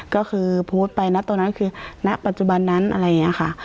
ก็คือโพสต์ไปนะตอนนั้นคือณปัจจุบันนั้นอะไรอย่างนี้ค่ะ